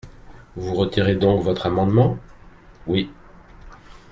Vous retirez donc votre amendement ? Oui.